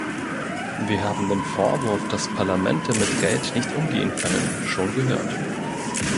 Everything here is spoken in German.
Wir haben den Vorwurf, dass Parlamente mit Geld nicht umgehen können, schon gehört.